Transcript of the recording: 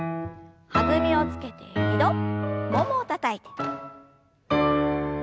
弾みをつけて２度ももをたたいて。